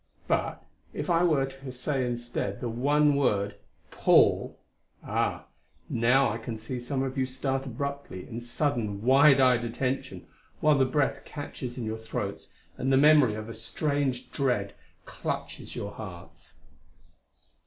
But, if I were to say instead the one word, "Paul" ah, now I can see some of you start abruptly in sudden, wide eyed attention, while the breath catches in your throats and the memory of a strange dread clutches your hearts.